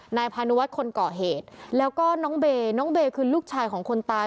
พานุวัฒน์คนเกาะเหตุแล้วก็น้องเบย์น้องเบย์คือลูกชายของคนตาย